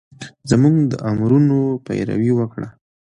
زمونږ د امرونو پېروي وکړه